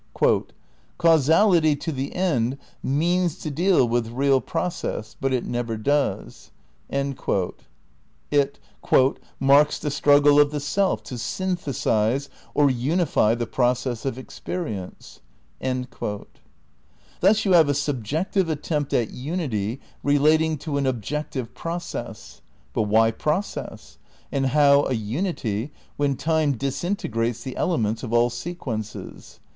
"Causality, to the end, means to deal with real process, but it never does." It "marks the struggle of the self to synthesize or unify the process of experience." Thus you have a subjective attempt at unity relating to an objective "process." But why process, and how a unity when time disintegrates the elements of all se quences?